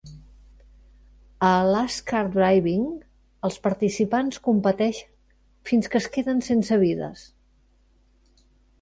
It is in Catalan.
A Last Kart Driving els participants competeixen fins que es queden sense vides.